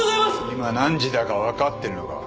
今何時だか分かってるのか？